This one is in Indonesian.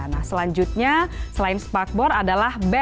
nah selanjutnya selain sparkboard adalah band